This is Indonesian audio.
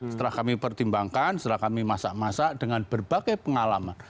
setelah kami pertimbangkan setelah kami masak masak dengan berbagai pengalaman